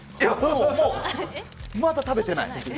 まだ食べてない。